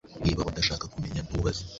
Niba udashaka kumenya, ntubaze.